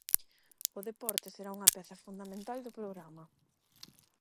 O deporte será unha peza fundamental do programa.